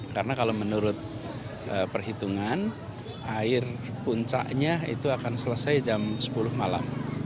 karena kalau menurut perhitungan air puncaknya itu akan selesai jam sepuluh malam